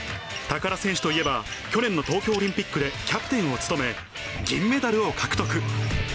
高田選手といえば、去年の東京オリンピックでキャプテンを務め、銀メダルを獲得。